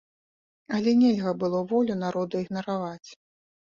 Але нельга было волю народа ігнараваць!